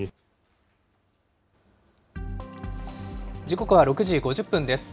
時刻は６時５０分です。